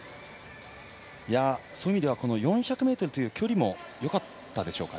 そういう意味では４００ｍという距離もよかったでしょうか。